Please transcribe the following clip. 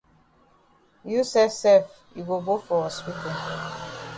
You sef sef you go go for hospital.